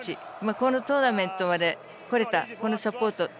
このトーナメントまでこれたこのサポート。